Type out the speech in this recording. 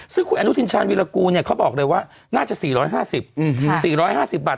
ซึ่งคุณอนุทินชาญวิรากูลเขาบอกเลยว่าน่าจะ๔๕๐๔๕๐บาท